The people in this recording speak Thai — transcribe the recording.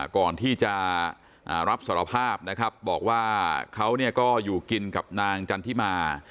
ก่อนที่จะรับสารภาพนะครับบอกว่าเขาก็อยู่กินกับนางจันทิมา